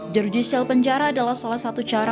jeruji sel penjara adalah salah satu cara